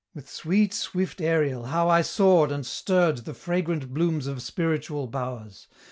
With sweet swift Ariel how I soar'd and stirr'd The fragrant blooms of spiritual bow'rs!